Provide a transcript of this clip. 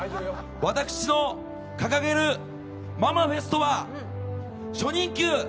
私の掲げるママフェストは初任給！